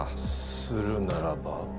するならば？